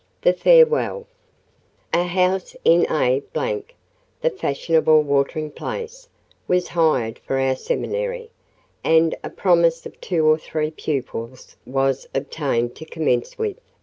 THE FAREWELL A house in A——, the fashionable watering place, was hired for our seminary; and a promise of two or three pupils was obtained to commence with.